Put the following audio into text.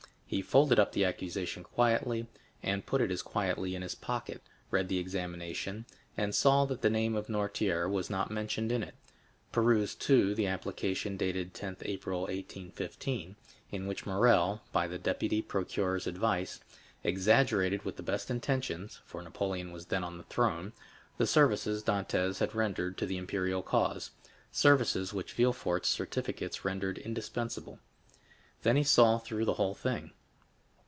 He folded up the accusation quietly, and put it as quietly in his pocket; read the examination, and saw that the name of Noirtier was not mentioned in it; perused, too, the application dated 10th April, 1815, in which Morrel, by the deputy procureur's advice, exaggerated with the best intentions (for Napoleon was then on the throne) the services Dantès had rendered to the imperial cause—services which Villefort's certificates rendered indisputable. Then he saw through the whole thing.